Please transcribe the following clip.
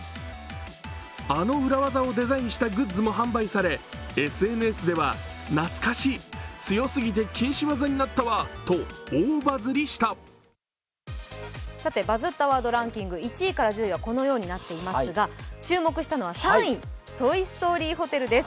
あの裏技をデザインしたグッズも発売され、ＳＮＳでは、懐かしい、強すぎて禁止技になったわと「バズったワードデイリーランキング」、１位から１０位はこのようになっていますが注目したのは３位、トイ・ストーリーホテルです。